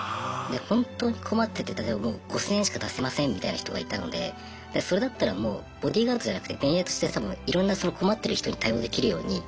本当に困ってて例えば５，０００円しか出せませんみたいな人がいたのでそれだったらもうボディーガードじゃなくて便利屋としていろんなその困ってる人に対応できるように。